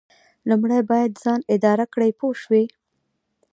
لومړی باید ځان اداره کړئ پوه شوې!.